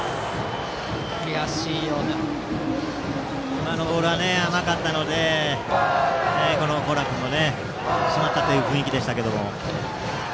今のボールは甘かったので高良君もしまったという雰囲気でしたけども。